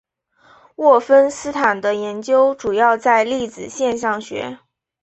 沃芬斯坦的研究主要在粒子现象学。